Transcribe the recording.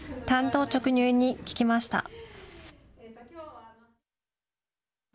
単刀直入に聞きました。